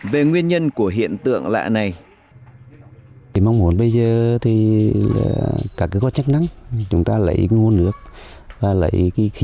về nguyên nhân của hiện tượng lạ này